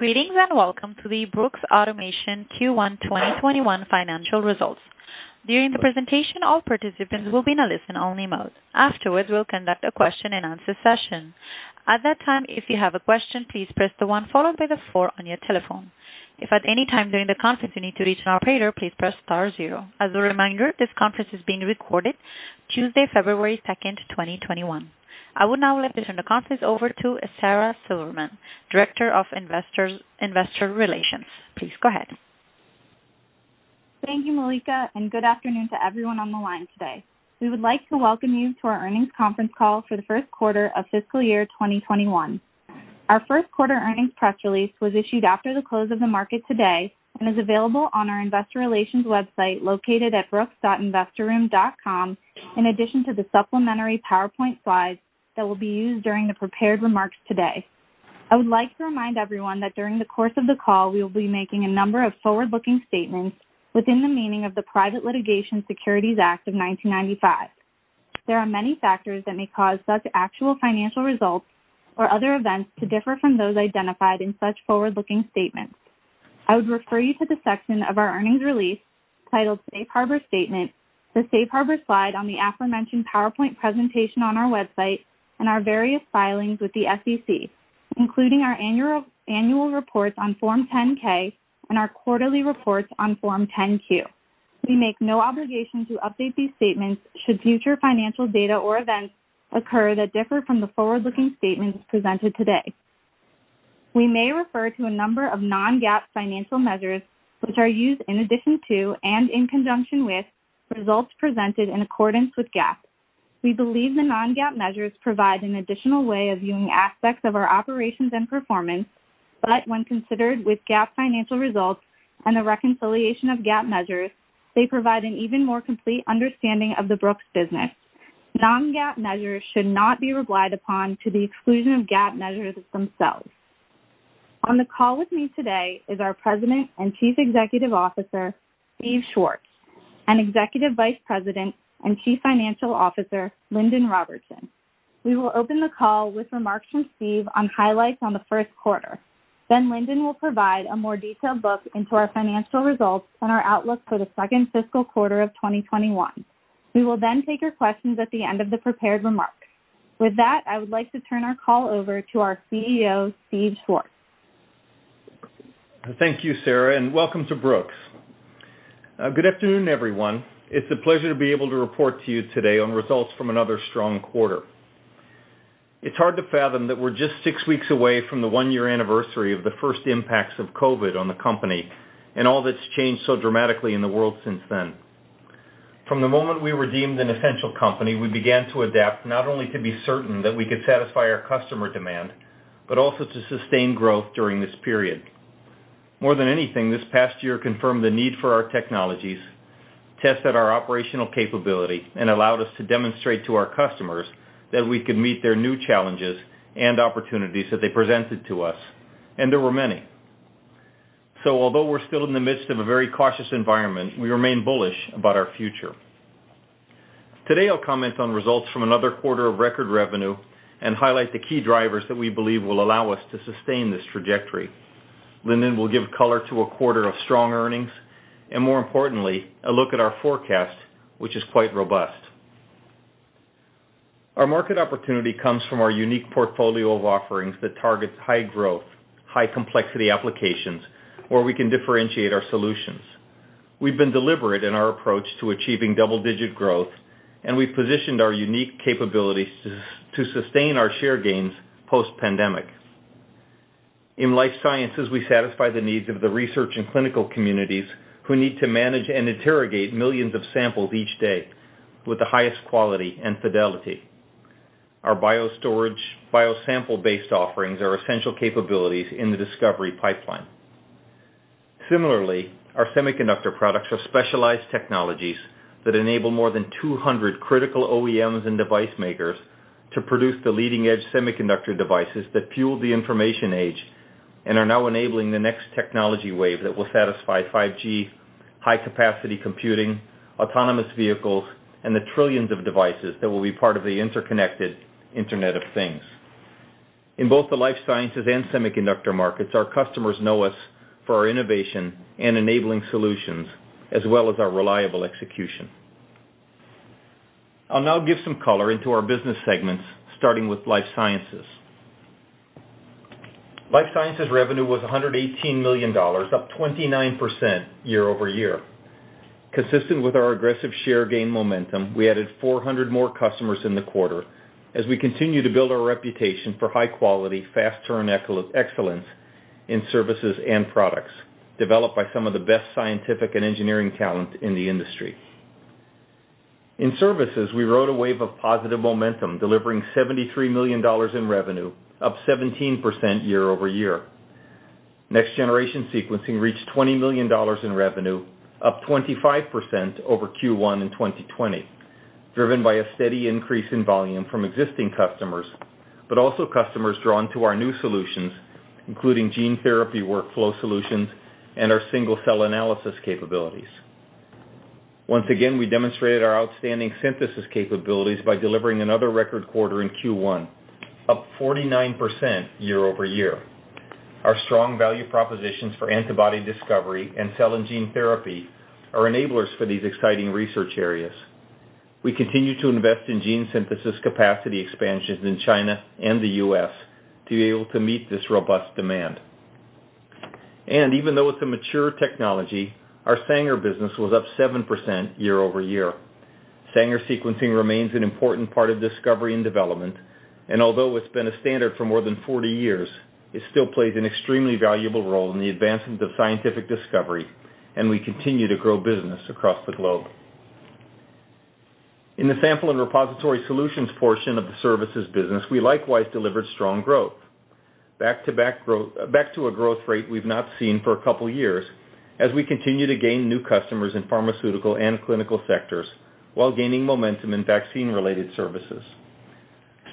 Greetings, and welcome to the Brooks Automation Q1 2021 financial results. During the presentation, all participants will be in a listen-only mode. Afterwards, we will conduct a question and answer session. At that time, if you have a question, please press the one followed by the four on your telephone. If at any time during the conference you need to reach an operator, please press star zero. As a reminder, this conference is being recorded Tuesday, February 2nd, 2021. I will now hand the conference over to Sara Silverman, Director of Investor Relations. Please go ahead. Thank you, Malika. Good afternoon to everyone on the line today. We would like to welcome you to our earnings conference call for the first quarter of fiscal year 2021. Our first quarter earnings press release was issued after the close of the market today and is available on our investor relations website located at brooks.investorroom.com, in addition to the supplementary PowerPoint slides that will be used during the prepared remarks today. I would like to remind everyone that during the course of the call, we will be making a number of forward-looking statements within the meaning of the Private Securities Litigation Reform Act of 1995. There are many factors that may cause such actual financial results or other events to differ from those identified in such forward-looking statements. I would refer you to the section of our earnings release titled Safe Harbor Statement, the Safe Harbor slide on the aforementioned PowerPoint presentation on our website, and our various filings with the SEC, including our annual reports on Form 10-K and our quarterly reports on Form 10-Q. We make no obligation to update these statements should future financial data or events occur that differ from the forward-looking statements presented today. We may refer to a number of non-GAAP financial measures, which are used in addition to, and in conjunction with, results presented in accordance with GAAP. We believe the non-GAAP measures provide an additional way of viewing aspects of our operations and performance, but when considered with GAAP financial results and a reconciliation of GAAP measures, they provide an even more complete understanding of the Brooks business. Non-GAAP measures should not be relied upon to the exclusion of GAAP measures themselves. On the call with me today is our President and Chief Executive Officer, Steve Schwartz, and Executive Vice President and Chief Financial Officer, Lindon Robertson. We will open the call with remarks from Steve on highlights on the first quarter. Lindon will provide a more detailed look into our financial results and our outlook for the second fiscal quarter of 2021. We will take your questions at the end of the prepared remarks. With that, I would like to turn our call over to our CEO, Steve Schwartz. Thank you, Sara, and welcome to Brooks. Good afternoon, everyone. It's a pleasure to be able to report to you today on results from another strong quarter. It's hard to fathom that we're just six weeks away from the one-year anniversary of the first impacts of COVID on the company and all that's changed so dramatically in the world since then. From the moment we were deemed an essential company, we began to adapt not only to be certain that we could satisfy our customer demand, but also to sustain growth during this period. More than anything, this past year confirmed the need for our technologies, tested our operational capability, and allowed us to demonstrate to our customers that we could meet their new challenges and opportunities that they presented to us, and there were many. Although we're still in the midst of a very cautious environment, we remain bullish about our future. Today, I'll comment on results from another quarter of record revenue and highlight the key drivers that we believe will allow us to sustain this trajectory. Lindon will give color to a quarter of strong earnings, and more importantly, a look at our forecast, which is quite robust. Our market opportunity comes from our unique portfolio of offerings that targets high-growth, high-complexity applications where we can differentiate our solutions. We've been deliberate in our approach to achieving double-digit growth, and we've positioned our unique capabilities to sustain our share gains post-pandemic. In life sciences, we satisfy the needs of the research and clinical communities who need to manage and interrogate millions of samples each day with the highest quality and fidelity. Our biosample-based offerings are essential capabilities in the discovery pipeline. Similarly, our semiconductor products are specialized technologies that enable more than 200 critical OEMs and device makers to produce the leading-edge semiconductor devices that fuel the information age and are now enabling the next technology wave that will satisfy 5G, high-capacity computing, autonomous vehicles, and the trillions of devices that will be part of the interconnected Internet of Things. In both the life sciences and semiconductor markets, our customers know us for our innovation and enabling solutions, as well as our reliable execution. I'll now give some color into our business segments, starting with Life Sciences. Life sciences revenue was $118 million, up 29% year-over-year. Consistent with our aggressive share gain momentum, we added 400 more customers in the quarter as we continue to build our reputation for high quality, fast turn excellence in services and products developed by some of the best scientific and engineering talent in the industry. In services, we rode a wave of positive momentum, delivering $73 million in revenue, up 17% year-over-year. Next-generation sequencing reached $20 million in revenue, up 25% over Q1 in 2020, driven by a steady increase in volume from existing customers, but also customers drawn to our new solutions, including gene therapy workflow solutions and our single-cell analysis capabilities. Once again, we demonstrated our outstanding synthesis capabilities by delivering another record quarter in Q1, up 49% year-over-year. Our strong value propositions for antibody discovery and cell and gene therapy are enablers for these exciting research areas. We continue to invest in gene synthesis capacity expansions in China and the U.S. to be able to meet this robust demand. Even though it's a mature technology, our Sanger business was up 7% year-over-year. Sanger sequencing remains an important part of discovery and development, and although it's been a standard for more than 40 years, it still plays an extremely valuable role in the advancement of scientific discovery, and we continue to grow business across the globe. In the sample and repository solutions portion of the services business, we likewise delivered strong growth. Back to a growth rate we've not seen for a couple of years, as we continue to gain new customers in pharmaceutical and clinical sectors while gaining momentum in vaccine-related services.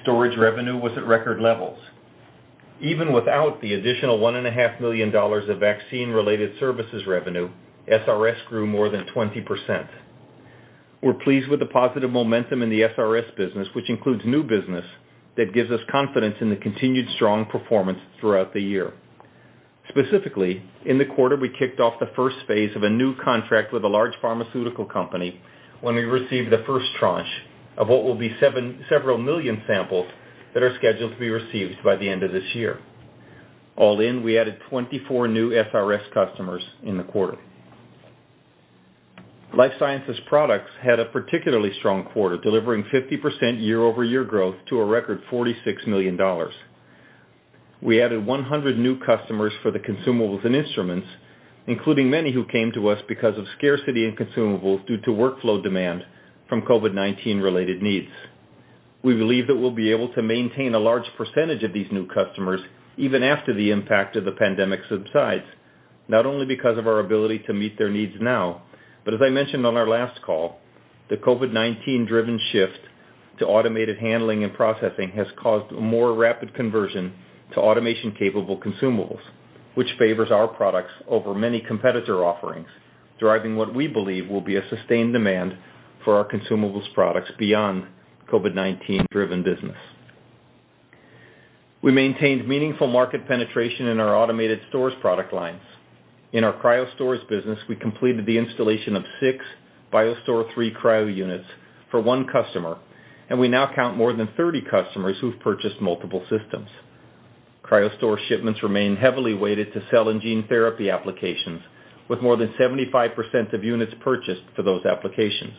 Storage revenue was at record levels. Even without the additional $1.5 million of vaccine-related services revenue, SRS grew more than 20%. We're pleased with the positive momentum in the SRS business, which includes new business that gives us confidence in the continued strong performance throughout the year. Specifically, in the quarter, we kicked off the first phase of a new contract with a large pharmaceutical company when we received the first tranche of what will be several million samples that are scheduled to be received by the end of this year. All in, we added 24 new SRS customers in the quarter. Life sciences products had a particularly strong quarter, delivering 50% year-over-year growth to a record $46 million. We added 100 new customers for the consumables and instruments, including many who came to us because of scarcity and consumables due to workflow demand from COVID-19 related needs. We believe that we'll be able to maintain a large percentage of these new customers even after the impact of the pandemic subsides, not only because of our ability to meet their needs now, but as I mentioned on our last call, the COVID-19 driven shift to automated handling and processing has caused a more rapid conversion to automation-capable consumables, which favors our products over many competitor offerings, driving what we believe will be a sustained demand for our consumables products beyond COVID-19-driven business. We maintained meaningful market penetration in our automated storage product lines. In our CryoStor business, we completed the installation of six BioStore III cryo units for one customer, and we now count more than 30 customers who've purchased multiple systems. CryoStor shipments remain heavily weighted to cell and gene therapy applications, with more than 75% of units purchased for those applications.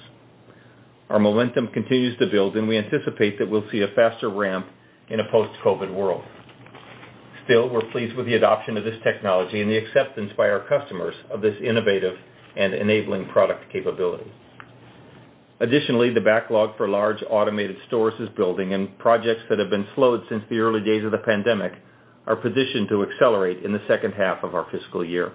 Our momentum continues to build, and we anticipate that we'll see a faster ramp in a post-COVID world. Still, we're pleased with the adoption of this technology and the acceptance by our customers of this innovative and enabling product capability. Additionally, the backlog for large automated stores is building, and projects that have been slowed since the early days of the pandemic are positioned to accelerate in the second half of our fiscal year.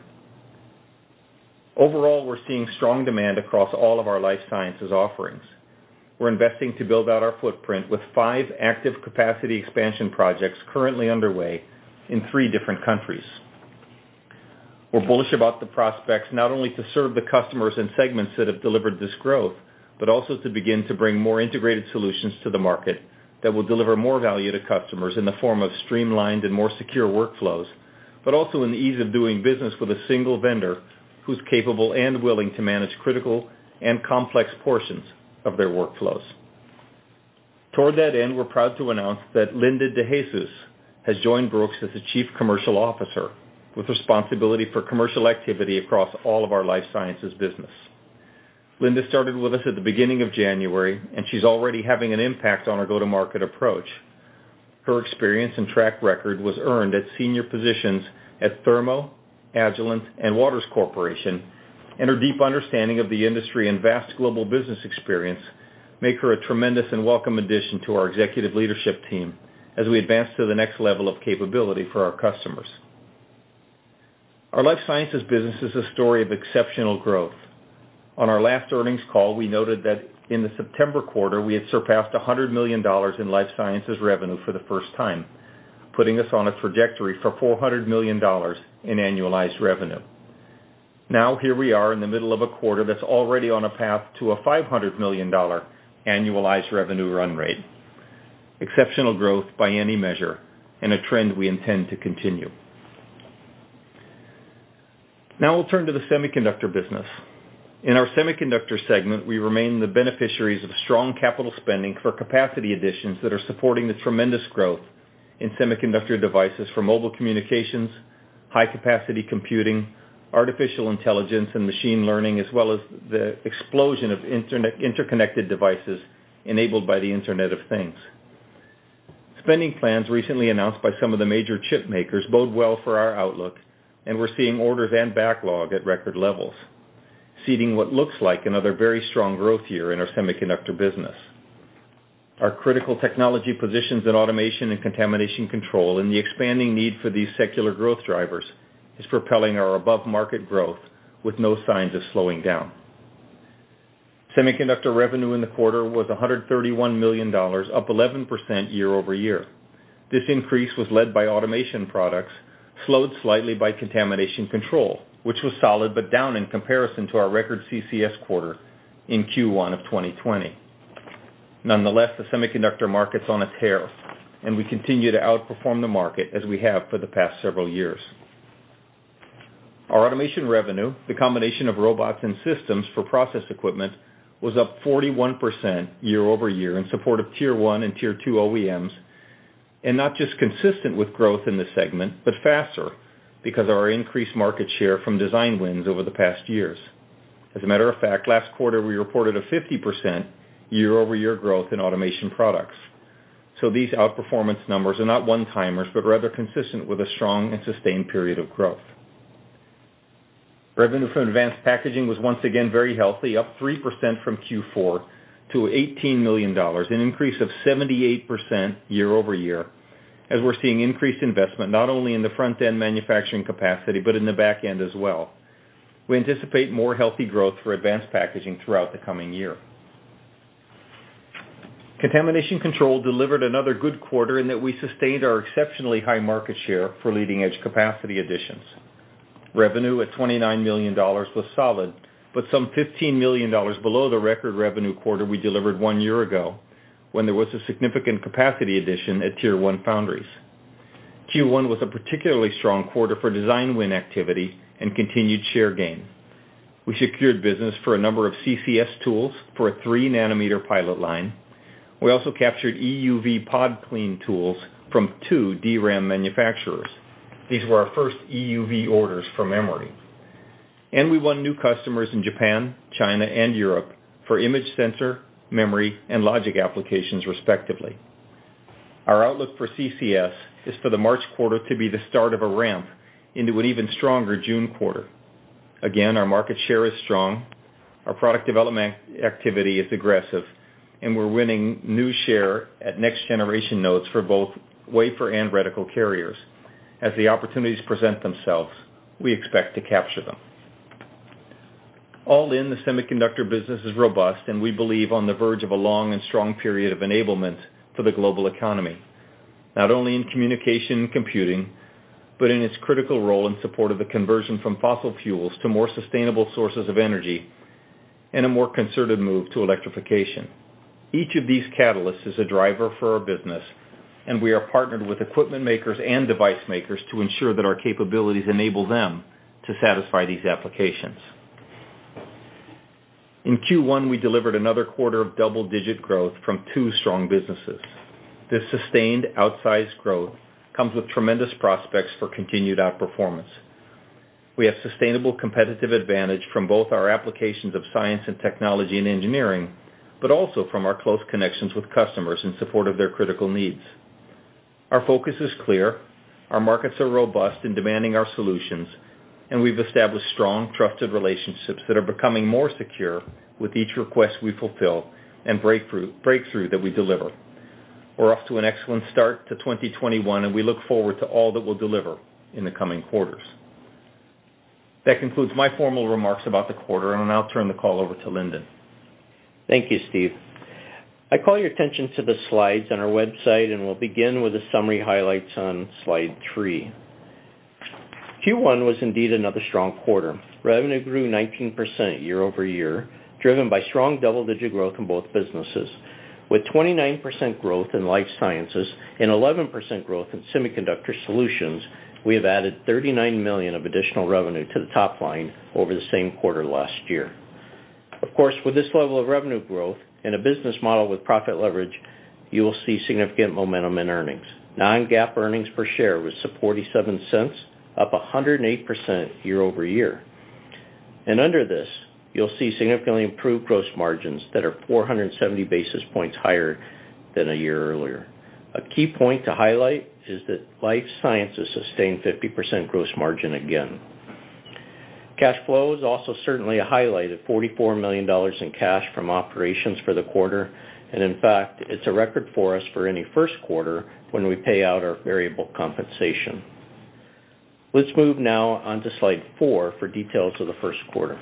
Overall, we're seeing strong demand across all of our life sciences offerings. We're investing to build out our footprint with five active capacity expansion projects currently underway in three different countries. We're bullish about the prospects, not only to serve the customers and segments that have delivered this growth, but also to begin to bring more integrated solutions to the market that will deliver more value to customers in the form of streamlined and more secure workflows, but also in the ease of doing business with a single vendor who's capable and willing to manage critical and complex portions of their workflows. Toward that end, we're proud to announce that Linda De Jesus has joined Brooks as the Chief Commercial Officer with responsibility for commercial activity across all of our life sciences business. Linda started with us at the beginning of January, and she's already having an impact on our go-to-market approach. Her experience and track record was earned at senior positions at Thermo, Agilent, and Waters Corporation, and her deep understanding of the industry and vast global business experience make her a tremendous and welcome addition to our executive leadership team as we advance to the next level of capability for our customers. Our life sciences business is a story of exceptional growth. On our last earnings call, we noted that in the September quarter, we had surpassed $100 million in life sciences revenue for the first time, putting us on a trajectory for $400 million in annualized revenue. Now, here we are in the middle of a quarter that's already on a path to a $500 million annualized revenue run rate. Exceptional growth by any measure and a trend we intend to continue. Now we'll turn to the semiconductor business. In our semiconductor segment, we remain the beneficiaries of strong capital spending for capacity additions that are supporting the tremendous growth in semiconductor devices for mobile communications, high-capacity computing, artificial intelligence and machine learning, as well as the explosion of interconnected devices enabled by the Internet of Things. Spending plans recently announced by some of the major chip makers bode well for our outlook, and we're seeing orders and backlog at record levels, seeding what looks like another very strong growth year in our semiconductor business. Our critical technology positions in automation and contamination control and the expanding need for these secular growth drivers is propelling our above-market growth with no signs of slowing down. Semiconductor revenue in the quarter was $131 million, up 11% year-over-year. This increase was led by automation products, slowed slightly by contamination control, which was solid but down in comparison to our record CCS quarter in Q1 of 2020. Nonetheless, the semiconductor market's on a tear, and we continue to outperform the market as we have for the past several years. Our automation revenue, the combination of robots and systems for process equipment, was up 41% year-over-year in support of Tier 1 and Tier 2 OEMs, and not just consistent with growth in the segment, but faster, because of our increased market share from design wins over the past years. As a matter of fact, last quarter, we reported a 50% year-over-year growth in automation products. These outperformance numbers are not one-timers, but rather consistent with a strong and sustained period of growth. Revenue from advanced packaging was once again very healthy, up 3% from Q4 to $18 million, an increase of 78% year-over-year, as we're seeing increased investment not only in the front-end manufacturing capacity, but in the back end as well. We anticipate more healthy growth for advanced packaging throughout the coming year. Contamination control delivered another good quarter in that we sustained our exceptionally high market share for leading-edge capacity additions. Revenue at $29 million was solid, but some $15 million below the record revenue quarter we delivered one year ago when there was a significant capacity addition at Tier 1 Foundries. Q1 was a particularly strong quarter for design win activity and continued share gain. We secured business for a number of CCS tools for a three nanometer pilot line. We also captured EUV pod clean tools from two DRAM manufacturers. These were our first EUV orders for memory. We won new customers in Japan, China, and Europe for image sensor, memory, and logic applications, respectively. Our outlook for CCS is for the March quarter to be the start of a ramp into an even stronger June quarter. Again, our market share is strong, our product development activity is aggressive, and we're winning new share at next-generation nodes for both wafer and reticle carriers. As the opportunities present themselves, we expect to capture them. All in, the semiconductor business is robust and we believe on the verge of a long and strong period of enablement for the global economy, not only in communication and computing, but in its critical role in support of the conversion from fossil fuels to more sustainable sources of energy and a more concerted move to electrification. Each of these catalysts is a driver for our business, and we are partnered with equipment makers and device makers to ensure that our capabilities enable them to satisfy these applications. In Q1, we delivered another quarter of double-digit growth from two strong businesses. This sustained outsized growth comes with tremendous prospects for continued outperformance. We have sustainable competitive advantage from both our applications of science and technology and engineering, but also from our close connections with customers in support of their critical needs. Our focus is clear, our markets are robust in demanding our solutions, and we've established strong, trusted relationships that are becoming more secure with each request we fulfill and breakthrough that we deliver. We're off to an excellent start to 2021, and we look forward to all that we'll deliver in the coming quarters. That concludes my formal remarks about the quarter, and I'll now turn the call over to Lindon. Thank you, Steve. I call your attention to the slides on our website. We'll begin with the summary highlights on slide three. Q1 was indeed another strong quarter. Revenue grew 19% year-over-year, driven by strong double-digit growth in both businesses. With 29% growth in life sciences and 11% growth in semiconductor solutions, we have added $39 million of additional revenue to the top line over the same quarter last year. Of course, with this level of revenue growth and a business model with profit leverage, you will see significant momentum in earnings. Non-GAAP earnings per share was $0.47, up 108% year-over-year. Under this, you'll see significantly improved gross margins that are 470 basis points higher than a year earlier. A key point to highlight is that life sciences sustained 50% gross margin again. Cash flow is certainly a highlight at $44 million in cash from operations for the quarter. In fact, it's a record for us for any first quarter when we pay out our variable compensation. Let's move now on to slide four for details of the first quarter.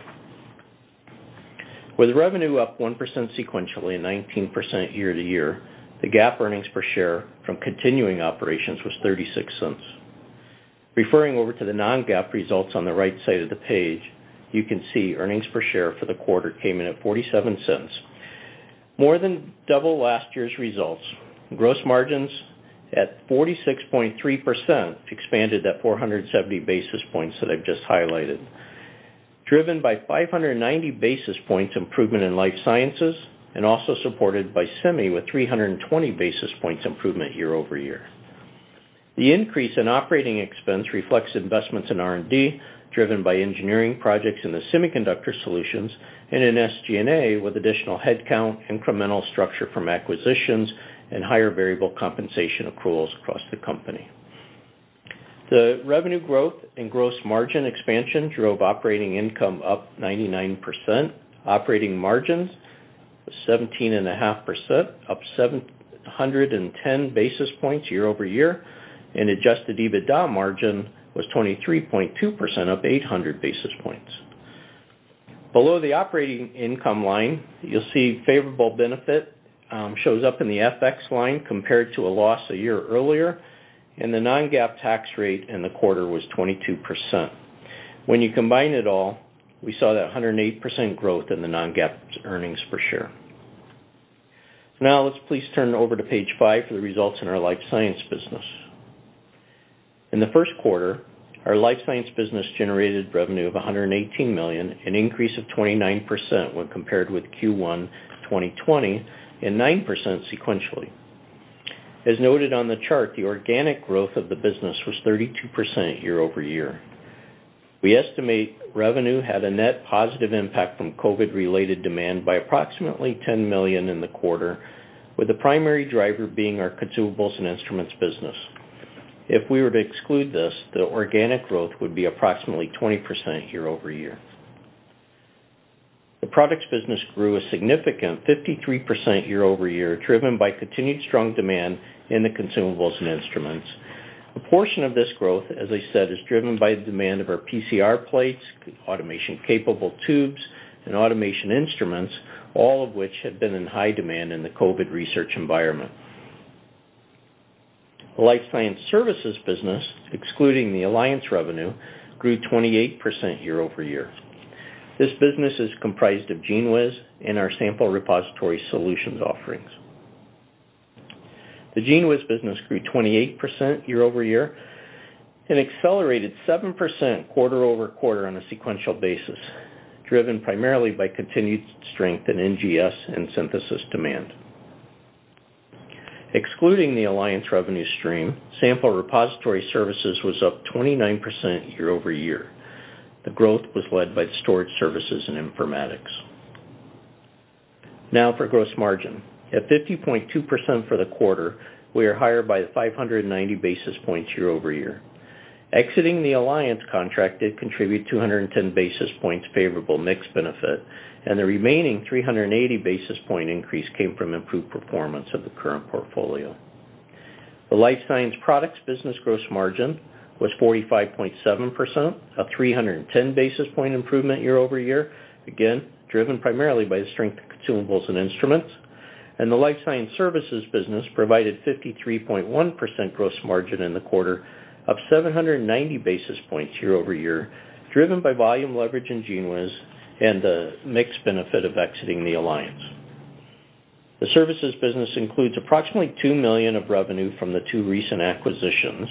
With revenue up 1% sequentially and 19% year-to-year, the GAAP earnings per share from continuing operations was $0.36. Referring over to the non-GAAP results on the right side of the page, you can see earnings per share for the quarter came in at $0.47, more than double last year's results. Gross margins at 46.3% expanded at 470 basis points that I've just highlighted, driven by 590 basis points improvement in Life Sciences and also supported by semi with 320 basis points improvement year-over-year. The increase in operating expense reflects investments in R&D, driven by engineering projects in the semiconductor solutions and in SG&A with additional headcount, incremental structure from acquisitions, and higher variable compensation accruals across the company. The revenue growth and gross margin expansion drove operating income up 99%. Operating margins, 17.5%, up 710 basis points year-over-year. Adjusted EBITDA margin was 23.2%, up 800 basis points. Below the operating income line, you'll see favorable benefit shows up in the FX line compared to a loss a year earlier, and the non-GAAP tax rate in the quarter was 22%. When you combine it all, we saw that 108% growth in the non-GAAP earnings per share. Now let's please turn over to page five for the results in our Life Sciences business. In the first quarter, our life science business generated revenue of $118 million, an increase of 29% when compared with Q1 2020, 9% sequentially. As noted on the chart, the organic growth of the business was 32% year-over-year. We estimate revenue had a net positive impact from COVID-related demand by approximately $10 million in the quarter, with the primary driver being our consumables and instruments business. If we were to exclude this, the organic growth would be approximately 20% year-over-year. The products business grew a significant 53% year-over-year, driven by continued strong demand in the consumables and instruments. A portion of this growth, as I said, is driven by the demand of our PCR plates, automation-capable tubes, and automation instruments, all of which have been in high demand in the COVID research environment. The life science services business, excluding the alliance revenue, grew 28% year-over-year. This business is comprised of GENEWIZ and our Sample Repository Solutions offerings. The GENEWIZ business grew 28% year-over-year and accelerated 7% quarter-over-quarter on a sequential basis, driven primarily by continued strength in NGS and synthesis demand. Excluding the alliance revenue stream, Sample Repository Services was up 29% year-over-year. The growth was led by the storage services and informatics. For gross margin. At 50.2% for the quarter, we are higher by the 590 basis points year-over-year. Exiting the alliance contract did contribute 210 basis points favorable mix benefit, the remaining 380 basis point increase came from improved performance of the current portfolio. The life science products business gross margin was 45.7%, up 310 basis point improvement year-over-year, again, driven primarily by the strength of consumables and instruments. The life science services business provided 53.1% gross margin in the quarter, up 790 basis points year-over-year, driven by volume leverage in GENEWIZ and the mix benefit of exiting the alliance. The services business includes approximately $2 million of revenue from the two recent acquisitions,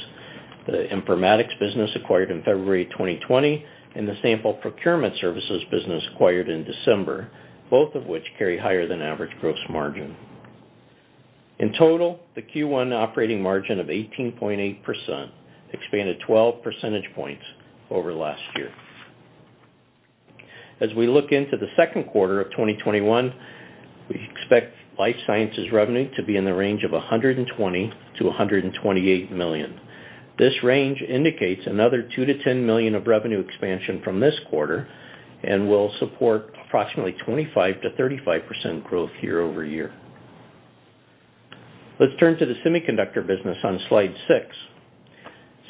the informatics business acquired in February 2020, and the sample procurement services business acquired in December, both of which carry higher than average gross margin. In total, the Q1 operating margin of 18.8% expanded 12 percentage points over last year. As we look into the second quarter of 2021, we expect life sciences revenue to be in the range of $120 million-$128 million. This range indicates another $2 million-$10 million of revenue expansion from this quarter and will support approximately 25%-35% growth year-over-year. Let's turn to the semiconductor business on slide six.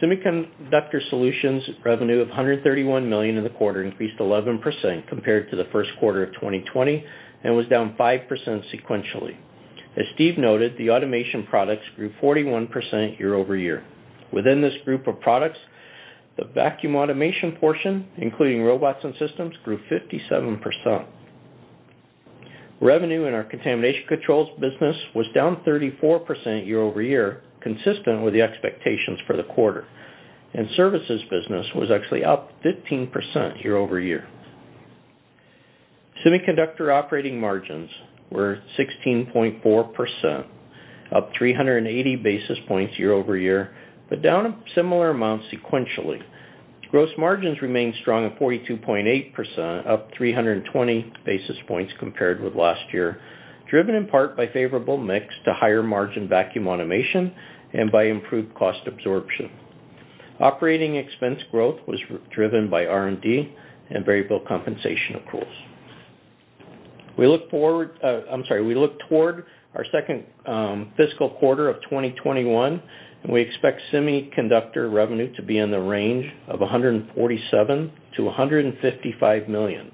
Semiconductor solutions revenue of $131 million in the quarter increased 11% compared to the first quarter of 2020 and was down 5% sequentially. As Steve noted, the automation products grew 41% year-over-year. Within this group of products, the vacuum automation portion, including robots and systems, grew 57%. Revenue in our contamination controls business was down 34% year-over-year, consistent with the expectations for the quarter. Services business was actually up 15% year-over-year. Semiconductor operating margins were 16.4%, up 380 basis points year-over-year, down a similar amount sequentially. Gross margins remained strong at 42.8%, up 320 basis points compared with last year, driven in part by favorable mix to higher margin vacuum automation and by improved cost absorption. Operating expense growth was driven by R&D and variable compensation accruals. We look toward our second fiscal quarter of 2021, we expect semiconductor revenue to be in the range of $147 million-$155 million.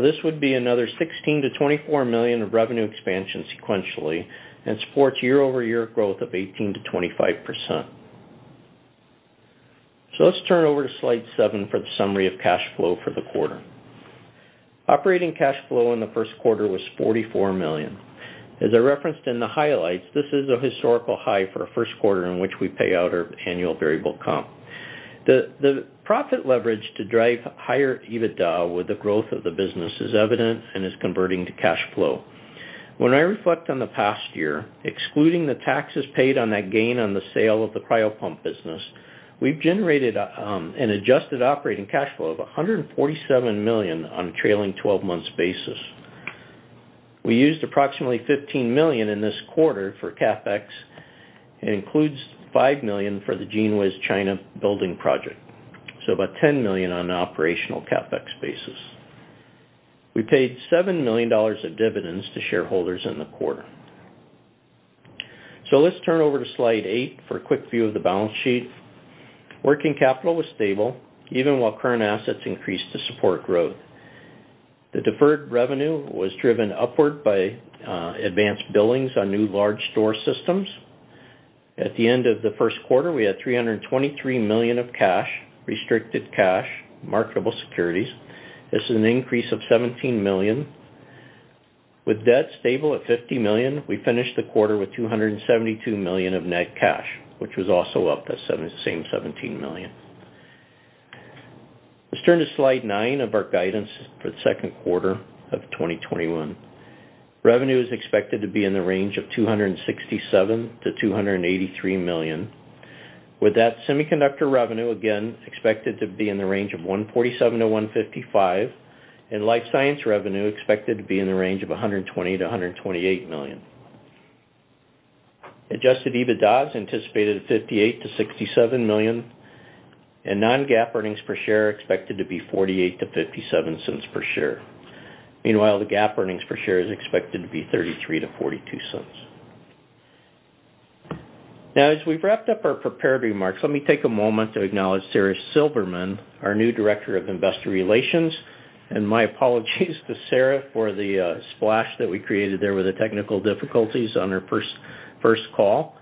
This would be another $16 million-$24 million of revenue expansion sequentially and supports year-over-year growth of 18%-25%. Let's turn over to slide seven for the summary of cash flow for the quarter. Operating cash flow in the first quarter was $44 million. As I referenced in the highlights, this is a historical high for a first quarter in which we pay out our annual variable comp. The profit leverage to drive higher EBITDA with the growth of the business is evident and is converting to cash flow. When I reflect on the past year, excluding the taxes paid on that gain on the sale of the cryopump business, we've generated an adjusted operating cash flow of $147 million on a trailing 12-months basis. We used approximately $15 million in this quarter for CapEx. It includes $5 million for the GENEWIZ China building project. About $10 million on an operational CapEx basis. We paid $7 million of dividends to shareholders in the quarter. Let's turn over to slide eight for a quick view of the balance sheet. Working capital was stable, even while current assets increased to support growth. The deferred revenue was driven upward by advanced billings on new large store systems. At the end of the first quarter, we had $323 million of cash, restricted cash, marketable securities. This is an increase of $17 million. With debt stable at $50 million, we finished the quarter with $272 million of net cash, which was also up that same $17 million. Let's turn to slide nine of our guidance for the second quarter of 2021. Revenue is expected to be in the range of $267 million-$283 million. With that semiconductor revenue, again, expected to be in the range of $147 million-$155 million, and life science revenue expected to be in the range of $120 million-$128 million. Adjusted EBITDA is anticipated at $58 million-$67 million, and non-GAAP earnings per share expected to be $0.48-$0.57 per share. Meanwhile, the GAAP earnings per share is expected to be $0.33-$0.42. As we've wrapped up our prepared remarks, let me take a moment to acknowledge Sara Silverman, our new director of investor relations, and my apologies to Sara for the splash that we created there with the technical difficulties on her first call.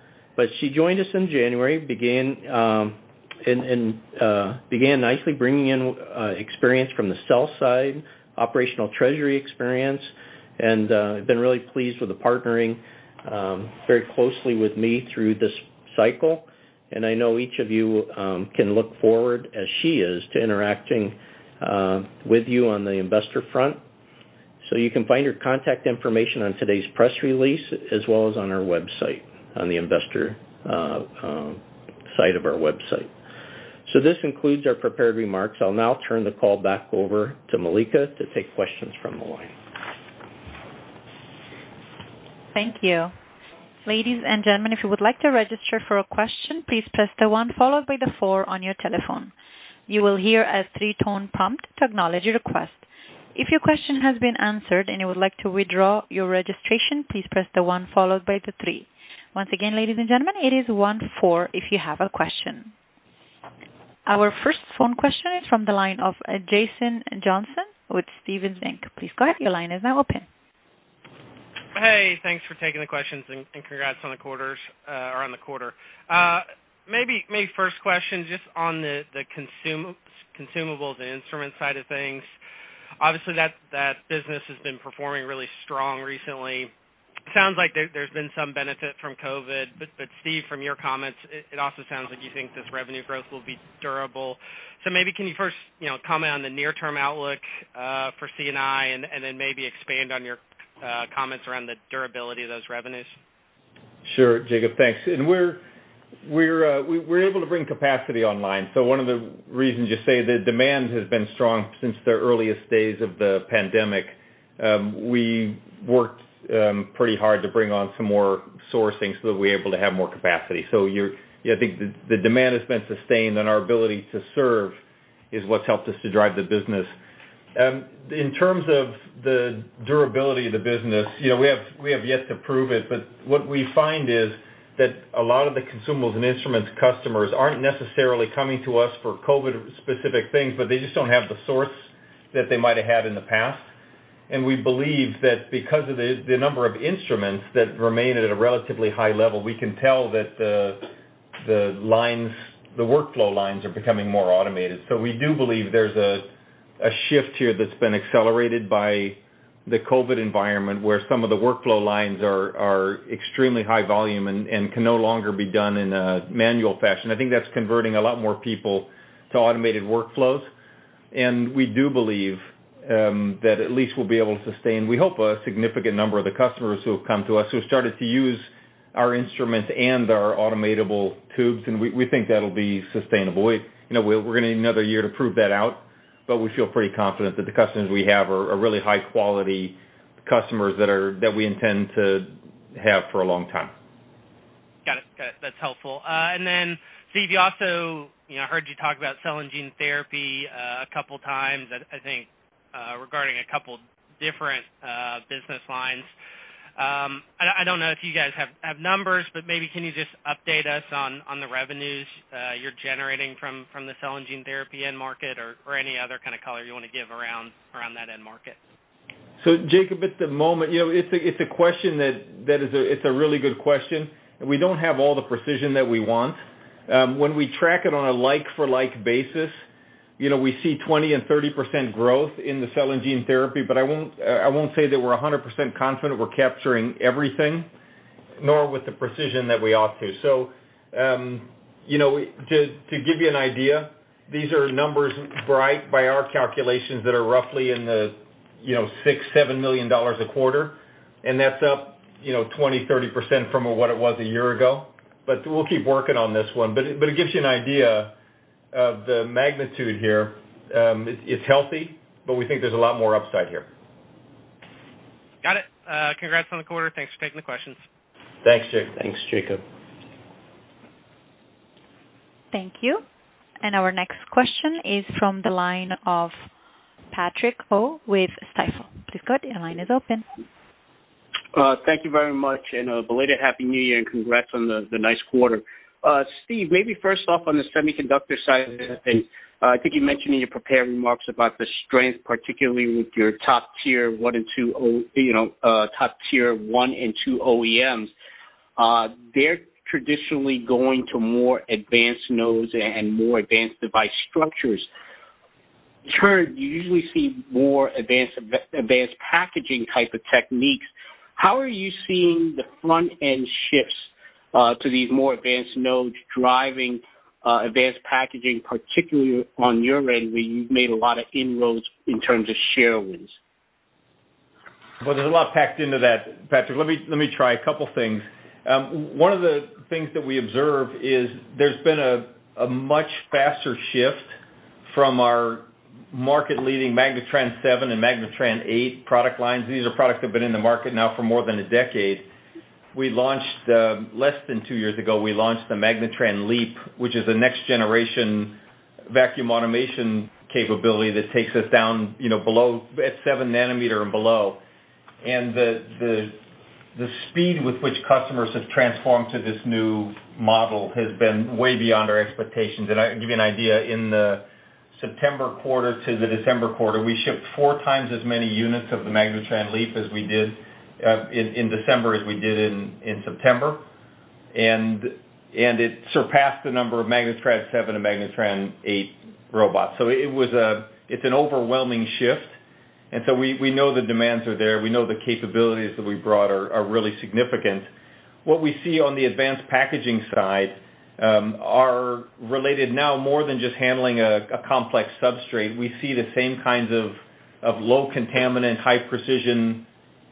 She joined us in January, began nicely, bringing in experience from the sell side, operational treasury experience, and I've been really pleased with the partnering very closely with me through this cycle, and I know each of you can look forward, as she is, to interacting with you on the investor front. You can find her contact information on today's press release, as well as on our website, on the investor site of our website. This concludes our prepared remarks. I'll now turn the call back over to Malika to take questions from the line. Thank you. Ladies and gentlemen, if you would like to register for a question, please press the one followed by the four on your telephone. You will hear a three-tone pump to acknowledge your request. If your question has been answered and you would like to withdraw your registration, please press the one followed by the three. Once again, ladies and gentlemen, it is one-four if you have a question. Our first phone question is from the line of Jacob Johnson with Stephens Inc. Please go ahead. Your line is now open. Hey, thanks for taking the questions, and congrats on the quarter. Maybe first question just on the consumables and instruments side of things. Obviously, that business has been performing really strong recently. Sounds like there's been some benefit from COVID-19, Steve, from your comments, it also sounds like you think this revenue growth will be durable. Maybe can you first comment on the near-term outlook for C&I and then maybe expand on your comments around the durability of those revenues? Sure, Jacob, thanks. We're able to bring capacity online, so one of the reasons you say the demand has been strong since the earliest days of the pandemic, we worked pretty hard to bring on some more sourcing so that we are able to have more capacity. I think the demand has been sustained, and our ability to serve is what's helped us to drive the business. In terms of the durability of the business, we have yet to prove it, but what we find is that a lot of the consumables and instruments customers aren't necessarily coming to us for COVID-specific things, but they just don't have the source that they might have had in the past. We believe that because of the number of instruments that remain at a relatively high level, we can tell that the workflow lines are becoming more automated. We do believe there's a shift here that's been accelerated by the COVID-19 environment, where some of the workflow lines are extremely high volume and can no longer be done in a manual fashion. I think that's converting a lot more people to automated workflows, and we do believe that at least we'll be able to sustain, we hope, a significant number of the customers who have come to us, who started to use our instruments and our automatable tubes, and we think that'll be sustainable. We're going to need another year to prove that out, but we feel pretty confident that the customers we have are really high-quality customers that we intend to have for a long time. Got it. That's helpful. Steve, I heard you talk about cell and gene therapy a couple times, I think regarding a couple different business lines. I don't know if you guys have numbers, maybe can you just update us on the revenues you're generating from the cell and gene therapy end market or any other kind of color you want to give around that end market? Jacob, at the moment, it's a really good question, and we don't have all the precision that we want. When we track it on a like-for-like basis, we see 20%-30% growth in the cell and gene therapy, but I won't say that we're 100% confident we're capturing everything, nor with the precision that we ought to. To give you an idea, these are numbers, by our calculations, that are roughly in the $6 million-$7 million a quarter, and that's up 20%-30% from what it was a year ago. We'll keep working on this one. It gives you an idea of the magnitude here. It's healthy, but we think there's a lot more upside here. Got it. Congrats on the quarter. Thanks for taking the questions. Thanks, Jacob. Thanks, Jacob. Thank you. Our next question is from the line of Patrick Ho with Stifel. Thank you very much. Congrats on the nice quarter. Steve, maybe first off on the semiconductor side of things, I think you mentioned in your prepared remarks about the strength, particularly with your top Tier 1 and 2 OEMs. They're traditionally going to more advanced nodes and more advanced device structures. In turn, you usually see more advanced packaging type of techniques. How are you seeing the front-end shifts to these more advanced nodes driving advanced packaging, particularly on your end, where you've made a lot of inroads in terms of share wins? Well, there's a lot packed into that, Patrick. Let me try a couple things. One of the things that we observe is there's been a much faster shift from our market-leading MagnaTran 7 and MagnaTran 8 product lines. These are products that have been in the market now for more than a decade. Less than two years ago, we launched the MagnaTran LEAP, which is a next generation vacuum automation capability that takes us down at seven nanometer and below. The speed with which customers have transformed to this new model has been way beyond our expectations. I can give you an idea, in the September quarter to the December quarter, we shipped four times as many units of the MagnaTran LEAP in December as we did in September. It surpassed the number of MagnaTran 7 and MagnaTran 8 robots. It's an overwhelming shift. We know the demands are there. We know the capabilities that we brought are really significant. What we see on the advanced packaging side are related now more than just handling a complex substrate. We see the same kinds of low contaminant, high precision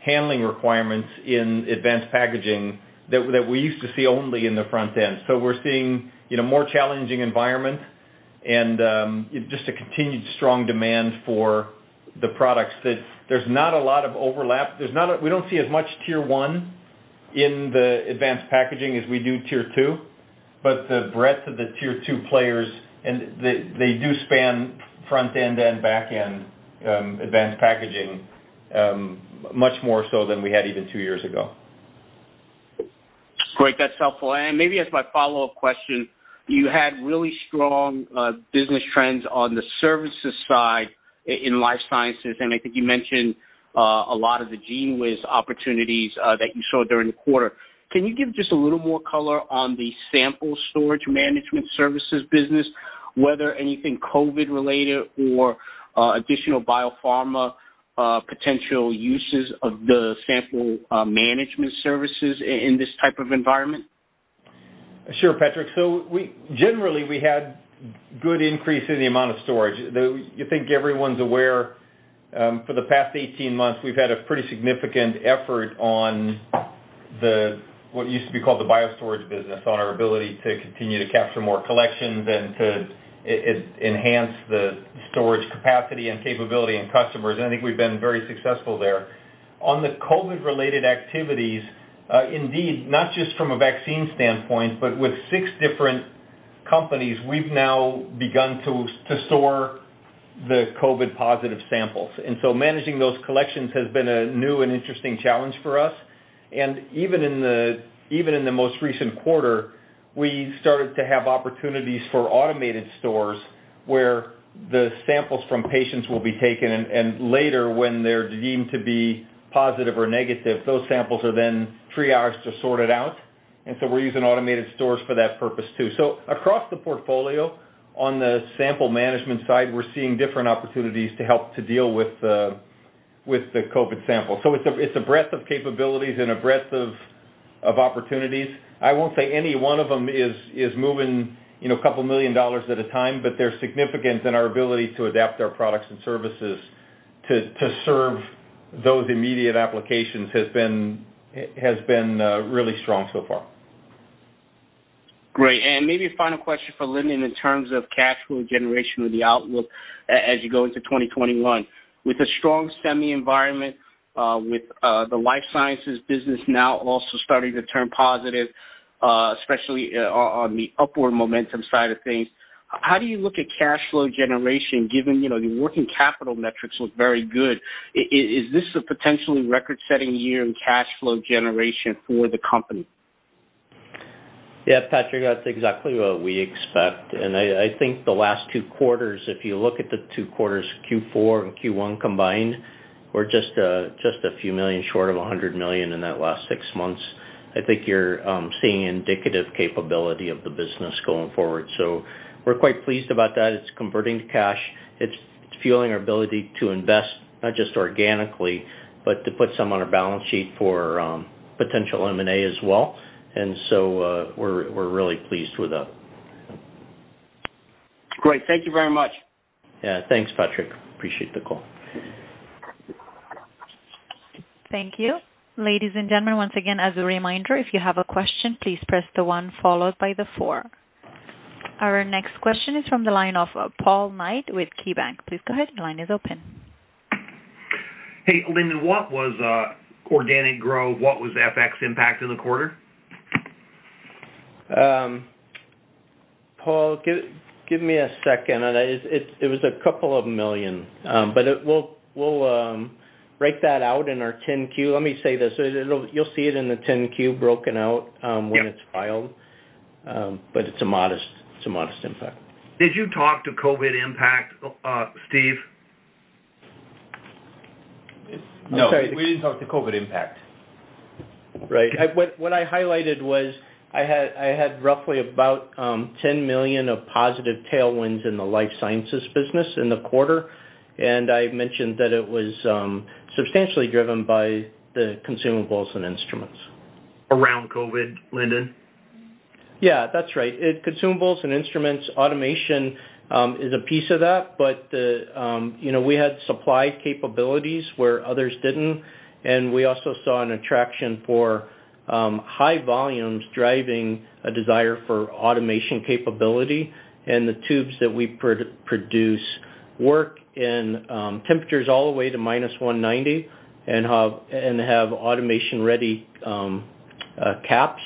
handling requirements in advanced packaging that we used to see only in the front end. We're seeing more challenging environment and just a continued strong demand for the products. There's not a lot of overlap. We don't see as much Tier 1 in the advanced packaging as we do Tier 2, but the breadth of the Tier 2 players, and they do span front end and back end, advanced packaging, much more so than we had even two years ago. Great. That's helpful. Maybe as my follow-up question, you had really strong business trends on the services side in life sciences, and I think you mentioned a lot of the GENEWIZ opportunities that you saw during the quarter. Can you give just a little more color on the sample storage management services business, whether anything COVID-19 related or additional biopharma potential uses of the sample management services in this type of environment? Sure, Patrick. Generally, we had good increase in the amount of storage. I think everyone's aware, for the past 18 months, we've had a pretty significant effort on what used to be called the CryoStor, on our ability to continue to capture more collections and to enhance the storage capacity and capability in customers. I think we've been very successful there. On the COVID-19 related activities, indeed, not just from a vaccine standpoint, but with six different companies, we've now begun to store the COVID-19 positive samples. Managing those collections has been a new and interesting challenge for us. Even in the most recent quarter, we started to have opportunities for automated stores where the samples from patients will be taken, and later when they're deemed to be positive or negative, those samples are then triaged or sorted out. We're using automated stores for that purpose, too. Across the portfolio, on the sample management side, we're seeing different opportunities to help to deal with the COVID sample. It's a breadth of capabilities and a breadth of opportunities. I won't say any one of them is moving a couple million dollars at a time, but they're significant in our ability to adapt our products and services to serve those immediate applications has been really strong so far. Great. Maybe a final question for Lindon in terms of cash flow generation or the outlook as you go into 2021. With a strong semi environment, with the life sciences business now also starting to turn positive, especially on the upward momentum side of things, how do you look at cash flow generation given your working capital metrics look very good. Is this a potentially record-setting year in cash flow generation for the company? Yeah, Patrick, that's exactly what we expect. I think the last two quarters, if you look at the two quarters, Q4 and Q1 combined, we're just a few million short of $100 million in that last six months. I think you're seeing indicative capability of the business going forward. We're quite pleased about that. It's converting to cash. It's fueling our ability to invest, not just organically, but to put some on our balance sheet for potential M&A as well. We're really pleased with that. Great. Thank you very much. Yeah. Thanks, Patrick. Appreciate the call. Thank you. Ladies and gentleman, once again as a reminder if you have a question please press to one followed by the four. Our next question is from the line of Paul Knight with KeyBanc. Hey, Lindon, what was organic growth? What was FX impact in the quarter? Paul, give me a second. It was a couple of million. We'll break that out in our 10-Q. Let me say this, you'll see it in the 10-Q broken out when it's filed. It's a modest impact. Did you talk to COVID impact, Steve? No, we didn't talk to COVID impact. Right. What I highlighted was, I had roughly about $10 million of positive tailwinds in the life sciences business in the quarter, and I mentioned that it was substantially driven by the consumables and instruments. Around COVID, Lindon? Yeah, that's right. Consumables and instruments, automation is a piece of that. We had supply capabilities where others didn't, and we also saw an attraction for high volumes driving a desire for automation capability. The tubes that we produce work in temperatures all the way to -190 and have automation-ready caps,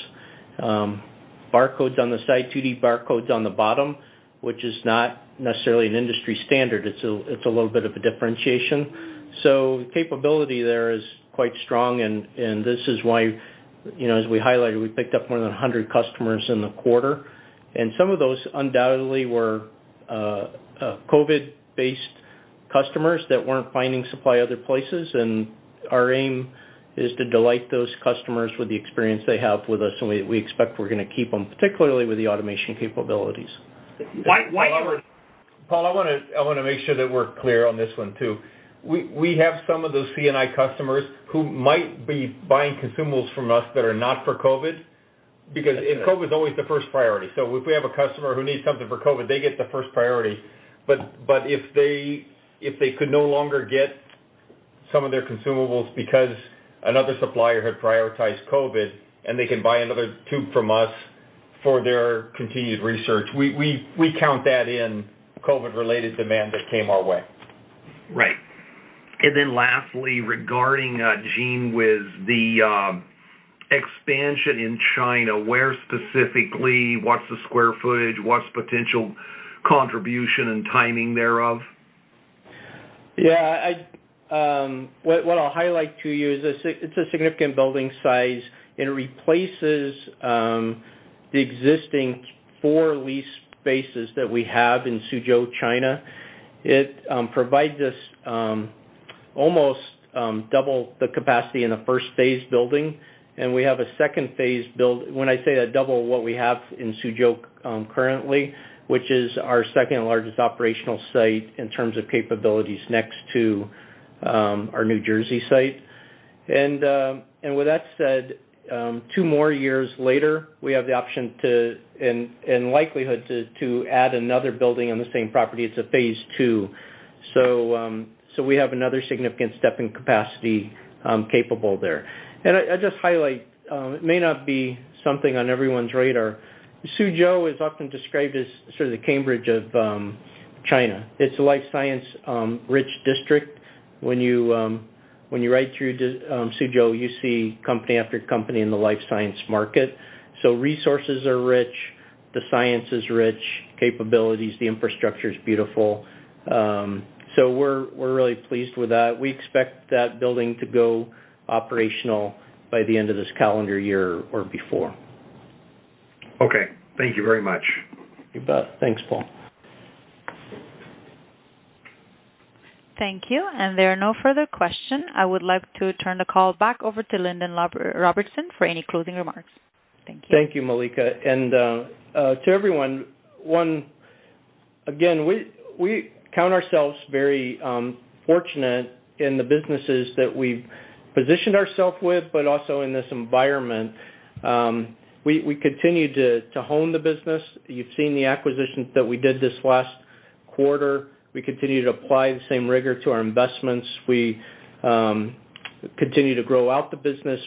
barcodes on the side, 2D barcodes on the bottom, which is not necessarily an industry standard. It's a little bit of a differentiation. The capability there is quite strong, and this is why, as we highlighted, we picked up more than 100 customers in the quarter. Some of those undoubtedly were COVID-19-based customers that weren't finding supply other places, and our aim is to delight those customers with the experience they have with us, and we expect we're going to keep them, particularly with the automation capabilities. Why Paul, I want to make sure that we're clear on this one, too. We have some of those C&I customers who might be buying consumables from us that are not for COVID, because COVID's always the first priority. If we have a customer who needs something for COVID, they get the first priority. If they could no longer get some of their consumables because another supplier had prioritized COVID, and they can buy another tube from us for their continued research, we count that in COVID-related demand that came our way. Right. Lastly, regarding, GENEWIZ, with the expansion in China, where specifically, what's the square footage? What's potential contribution and timing thereof? What I'll highlight to you is, it's a significant building size. It replaces the existing four leased spaces that we have in Suzhou, China. It provides us almost double the capacity in the first phase building. We have a second phase build. When I say a double what we have in Suzhou currently, which is our second-largest operational site in terms of capabilities next to our New Jersey site. With that said, two more years later, we have the option to, and likelihood to, add another building on the same property. It's a phase II. We have another significant step in capacity capable there. I just highlight, it may not be something on everyone's radar. Suzhou is often described as sort of the Cambridge of China. It's a life sciences-rich district. When you ride through Suzhou, you see company after company in the life science market. Resources are rich, the science is rich, capabilities, the infrastructure's beautiful. We're really pleased with that. We expect that building to go operational by the end of this calendar year or before. Okay. Thank you very much. You bet. Thanks, Paul. Thank you. There are no further questions. I would like to turn the call back over to Lindon Robertson for any closing remarks. Thank you. Thank you, Malika. To everyone, again, we count ourselves very fortunate in the businesses that we've positioned ourselves with, but also in this environment. We continue to hone the business. You've seen the acquisitions that we did this last quarter. We continue to apply the same rigor to our investments. We continue to grow out the business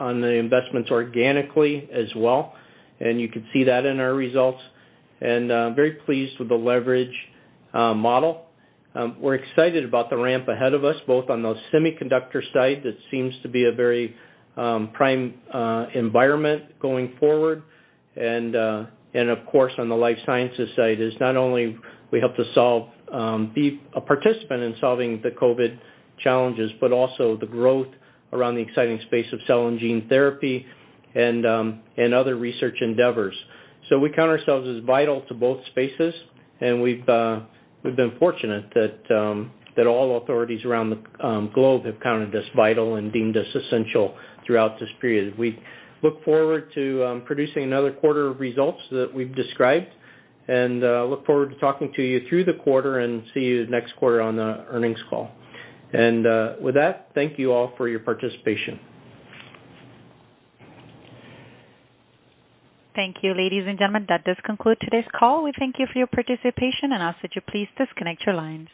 on the investments organically as well, and you can see that in our results. I'm very pleased with the leverage model. We're excited about the ramp ahead of us, both on the semiconductor side, that seems to be a very prime environment going forward, and of course, on the life sciences side, as not only we help to be a participant in solving the COVID challenges, but also the growth around the exciting space of cell and gene therapy and other research endeavors. We count ourselves as vital to both spaces, and we've been fortunate that all authorities around the globe have counted us vital and deemed us essential throughout this period. We look forward to producing another quarter of results that we've described, and look forward to talking to you through the quarter and see you next quarter on the earnings call. With that, thank you all for your participation. Thank you, ladies and gentlemen. That does conclude today's call. We thank you for your participation and ask that you please disconnect your lines.